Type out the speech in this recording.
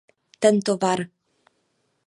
Tento var.